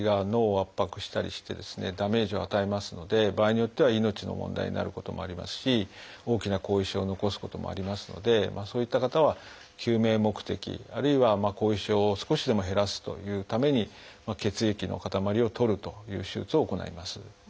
ダメージを与えますので場合によっては命の問題になることもありますし大きな後遺症を残すこともありますのでそういった方は救命目的あるいは後遺症を少しでも減らすというために血液の塊を取るという手術を行います。